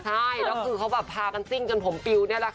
ใช่แล้วคือเขาแบบพากันจิ้นจนผมปิวนี่แหละค่ะ